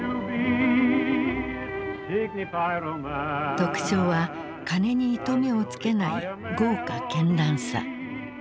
特徴は金に糸目をつけない豪華絢爛さ。